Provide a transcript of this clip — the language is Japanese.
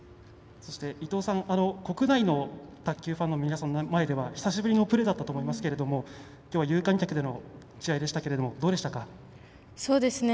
そして、伊藤さん、国内の卓球ファンの皆さんの前では久しぶりのプレーだったと思いますがきょう、有観客での試合でしたがいかがでしたか？